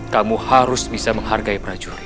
kamu harus bisa menghargai prajurit